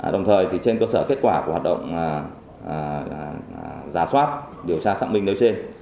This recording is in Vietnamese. đồng thời trên cơ sở kết quả của hoạt động giả soát điều tra xác minh nêu trên